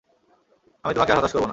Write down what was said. আমি তোমাকে আর হতাশ করব না।